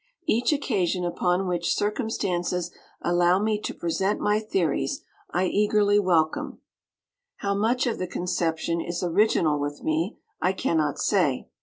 Each occasion upon which circumstances allow me to present my theories, I eagerly welcome. How much of the conception is original with me, I cannot say.